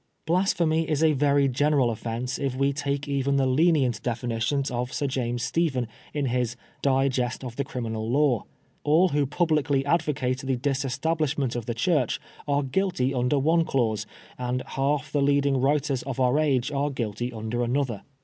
" Blasphemy is a very general offence if we take even the lenient definitions of Sir c^mes Stephen in his * Digest of the Criminal Law.^ All who publicly aavocate the disestablishment of the Church are guilty under one clause, and half the leading writers of our age are guilty under another.